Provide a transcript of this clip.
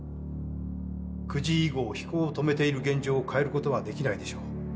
９時以後飛行を止めている現状を変えることはできないでしょう。